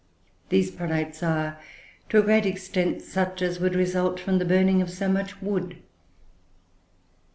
These products are, to a great extent, such as would result from the burning of so much wood.